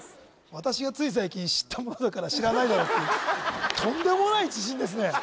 私がつい最近知ったものだから知らないだろうっていうとんでもない自信ですね